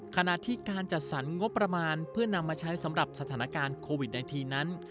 ขณะที่การจัดสรรงบประมาณเพื่อนำมาใช้สำหรับสถานการณ์โควิด๑๙นั้น